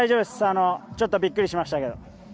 ちょっとびっくりしましたけど。